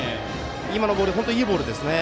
今のボールは本当にいいボールでしたね。